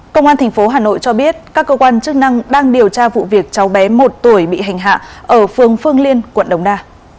công an tp hà nội cho biết các cơ quan chức năng đang điều tra vụ việc cháu bé một tuổi bị hành hạ ở phương phương liên quận đồng đa